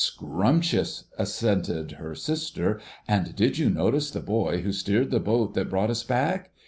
"Scrumptious!" assented her sister. "And did you notice the boy who steered the boat that brought us back?